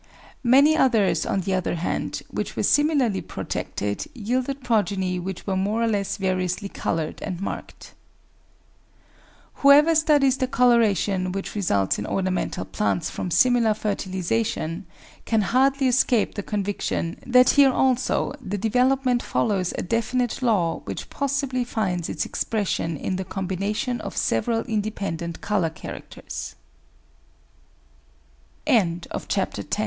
Many others, on the other hand, which were similarly protected, yielded progeny which were more or less variously coloured and marked. Whoever studies the coloration which results, in ornamental plants, from similar fertilisation, can hardly escape the conviction that here also the development follows a definite law, which possibly finds its expression